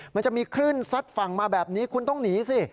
มันจะมีคลื่นซัดฝั่งมาแบบนี้คุณต้องหนีสิ